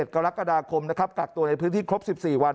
กรกฎาคมนะครับกักตัวในพื้นที่ครบ๑๔วัน